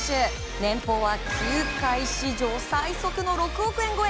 年俸は球界史上最速の６億円超え。